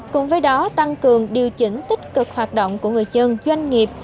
cùng với đó tăng cường điều chỉnh tích cực hoạt động của người dân doanh nghiệp